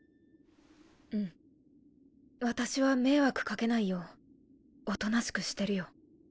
うん私は迷惑かけないよう大人しくしてるよ。